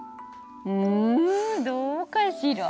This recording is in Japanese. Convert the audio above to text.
うんどうかしら？